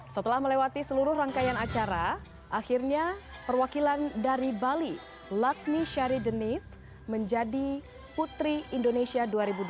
setelah melewati seluruh rangkaian acara akhirnya perwakilan dari bali laksmi syaridenif menjadi putri indonesia dua ribu dua puluh dua